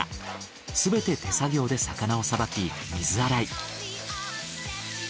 すべて手作業で魚をさばき水洗い。